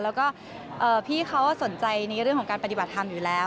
แล้วก็พี่เขาสนใจในเรื่องของการปฏิบัติธรรมอยู่แล้ว